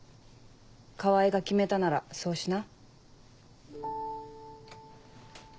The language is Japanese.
川合が決めたならそうしな。